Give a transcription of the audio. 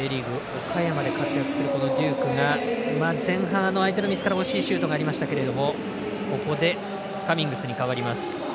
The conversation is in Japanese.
岡山で活躍するこのデュークが前半、相手のミスから惜しいシュートがありましたけどここでカミングスに代わります。